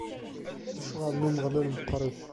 Lecɣal n Umeɣlal meqqwrit.